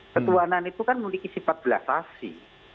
ketuanan itu kan memiliki sifat belasasi